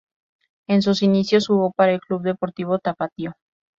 En sus inicios jugó para el Club Deportivo Tapatío.